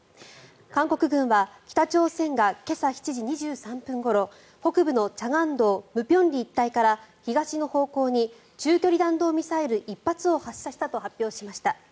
韓国軍は北朝鮮が今朝７時２３分ごろ北部の慈江道舞坪里一帯から東の方向に中距離弾道ミサイル１発を発射したと発表しました。